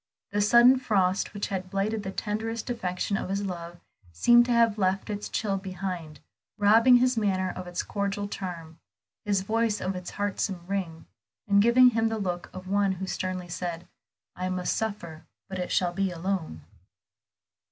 The sudden frost which had blighted the tenderest affection of his life seemed to have left its chill behind, robbing his manner of its cordial charm, his voice of its heartsome ring, and giving him the look of one who sternly said "I must suffer, but it shall be alone."